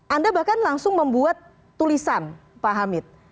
anda bahkan langsung membuat tulisan pak hamid